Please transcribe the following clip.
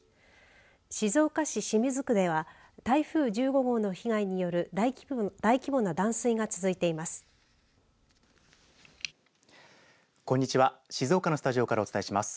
静岡市清水区では台風１５号の被害による大規模な断水が続いています。